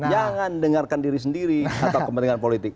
jangan dengarkan diri sendiri atau kepentingan politik